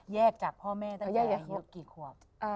แยกจากพ่อแม่ตั้งแต่กี่ขวบ